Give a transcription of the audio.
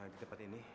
di tempat ini